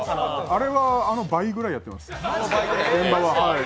あれはあの倍ぐらいやってます。